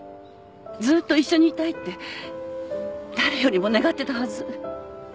ずっと一緒にいたいって誰よりも願ってたはず。